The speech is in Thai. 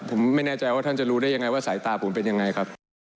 ผมไม่แน่ใจว่าท่านจะรู้ได้ยังไงว่าสายตาผมเป็นยังไงครับ